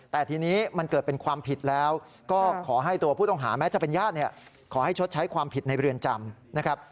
แต่ทีนี้มันเกิดเป็นความผิดแล้วก็ขอให้ตัวผู้ต้องหาแม้จะเป็นญาติเนี่ยขอให้ชดใช้ความผิดในเรือนจำนะครับ